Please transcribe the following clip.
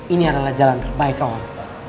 ini adalah jalan terbaik kawan